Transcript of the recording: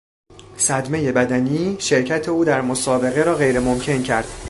صدمهی بدنی شرکت او در مسابقه را غیر ممکن کرد.